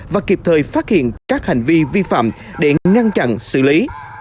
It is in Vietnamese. và kịp thời phát hiện các hành vi vi phạm để ngăn chặn xử lý